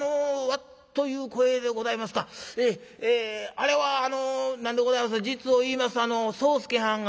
あれはあの何でございますか実を言いますと宗助はんが」。